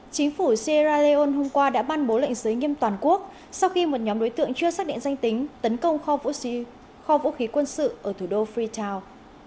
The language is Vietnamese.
chính phủ sierra leon hôm qua đã ban bố lệnh giới nghiêm toàn quốc sau khi một nhóm đối tượng chưa xác định danh tính tấn công kho vũ khí quân sự ở thủ đô freta